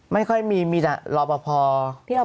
ไม่ค่อยมีมีแต่หลอมป่อพอข้างนอก